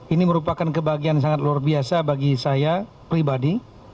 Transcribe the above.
ini merupakan kebahagiaan sangat luar biasa bagi saya pribadi